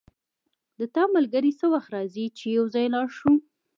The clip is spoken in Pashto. د تا ملګری څه وخت راځي چی یو ځای لاړ شو